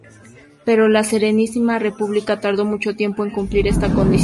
Pero la Serenísima República tardó mucho tiempo en cumplir esta condición.